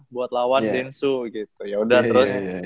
buat lawan densu gitu yaudah terus